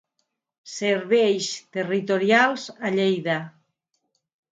Serveis Territorials a Lleida.